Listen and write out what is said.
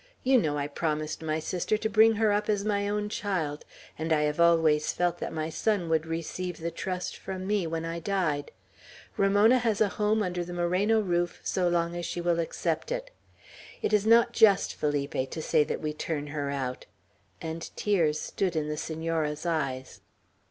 You know I promised my sister to bring her up as my own child; and I have always felt that my son would receive the trust from me, when I died. Ramona has a home under the Moreno roof so long as she will accept it. It is not just, Felipe, to say that we turn her out;" and tears stood in the Senora's eyes.